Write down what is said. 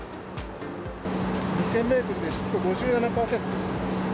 ２０００メートルで湿度５７％。